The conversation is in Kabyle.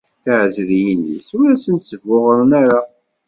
Tiɛezriyin-is, ur asent-sbuɣren ara.